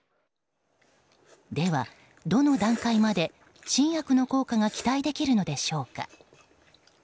では、どの段階まで新薬の効果が期待できるのでしょうか。